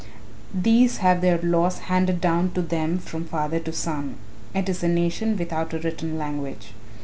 These have their laws handed down to them from father to son it is a nation without a written language.